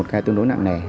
một cái tương đối nặng nẻ